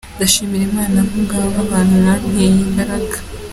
Ndashimira Imana kubw’abo bantu, mwanteye imbaraga.”